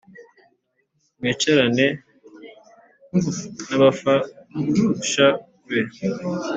mwicarane n’abafasha be.